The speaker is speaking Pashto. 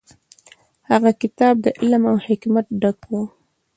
هغه کتاب د علم او حکمت ډک و.